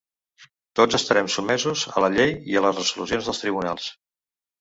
Tots estarem sotmesos a la llei i a les resolucions dels tribunals.